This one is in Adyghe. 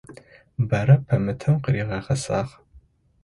Бэрэ пэмытэу къыригъэгъэзагъ.